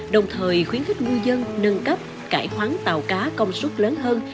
đồng thời khuyến khích ngư dân nâng cấp cải hoán tàu cá công suất lớn hơn